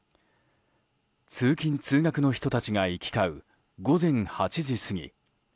通勤・通学の人たちが行き交う午前８時過ぎ。